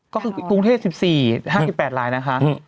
ก็คือกรุงเทพ๑๔๕๘รายนะคะ